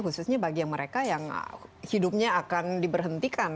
khususnya bagi mereka yang hidupnya akan diberhentikan